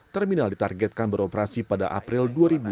terminal ditargetkan beroperasi pada april dua ribu tujuh belas